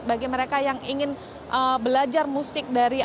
bagi mereka yang ingin belajar musik dari